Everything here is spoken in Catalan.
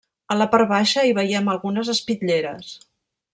A la part baixa hi veiem algunes espitlleres.